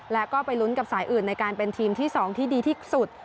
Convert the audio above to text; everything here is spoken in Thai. แล้วก็ไปลุ้นกับสายอื่นในการเป็นทีมที่๒ที่ดีที่สุด